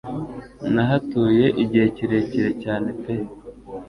Nahatuye igihe kirekire cyane pe